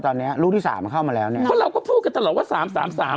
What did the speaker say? ตอนนี้ลูกที่สามเข้ามาแล้วเนี้ยเพราะเราก็พูดกันตลอดว่าสามสามสาม